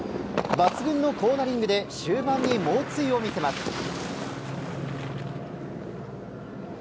抜群のコーナリングで終盤に猛追を見せます。